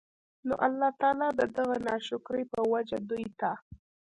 نو الله تعالی د دغه ناشکرۍ په وجه دوی ته